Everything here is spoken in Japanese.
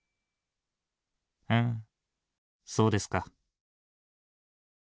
ふんそうですか。